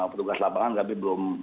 petugas lapangan tapi belum